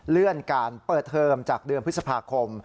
เลื่อนการเปิดเทอมจากเดือนพฤษภาคม